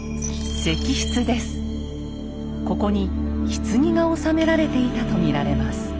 ここにひつぎが納められていたと見られます。